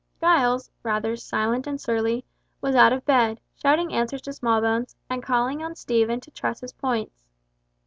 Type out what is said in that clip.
Giles, rather silent and surly, was out of bed, shouting answers to Smallbones, and calling on Stephen to truss his points.